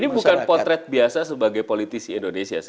ini bukan potret biasa sebagai politisi indonesia sih